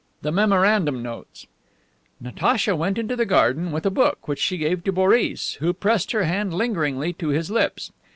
The memorandum notes: Natacha went into the garden with a book, which she gave to Boris, who pressed her hand lingeringly to his lips.